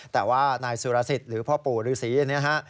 แต่ว่านายสุรสิทธิ์หรือพ่อปู่ฤษีอันนี้ฮะ